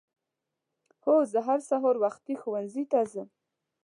هو زه هر سهار وختي ښؤونځي ته ځم.